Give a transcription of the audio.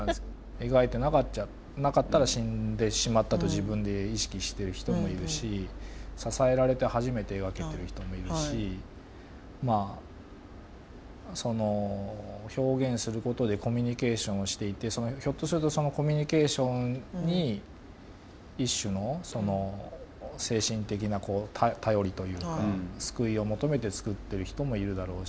描いてなかったら死んでしまったと自分で意識してる人もいるし支えられて初めて描けてる人もいるし表現することでコミュニケーションをしていてひょっとするとそのコミュニケーションに一種の精神的な頼りというか救いを求めて作ってる人もいるだろうし。